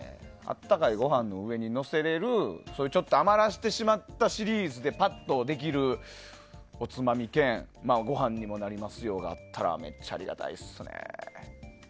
温かいご飯の上にのせれる余らしてしまったシリーズでぱっとできるおつまみ兼ご飯にもなりますよがあったらめっちゃありがたいですね。